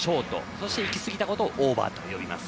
そして行き過ぎたことをオーバーと言います。